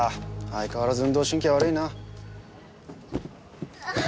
相変わらず運動神経悪いなあぁ